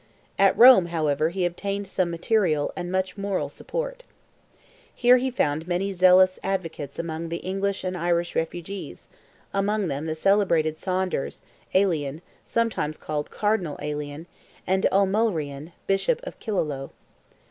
At Rome, however, he obtained some material and much moral support. Here he found many zealous advocates among the English and Irish refugees—among them the celebrated Saunders, Allen, sometimes called Cardinal Alien, and O'Mulrian, Bishop of Killaloe.